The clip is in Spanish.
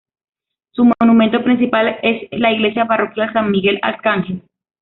Su monumento principal es la Iglesia Parroquial San Miguel Arcángel.